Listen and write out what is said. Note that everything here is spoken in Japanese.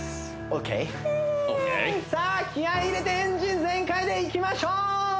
オーケーさあ気合い入れてエンジン全開でいきましょう！